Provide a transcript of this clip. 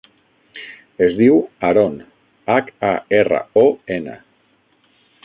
Es diu Haron: hac, a, erra, o, ena.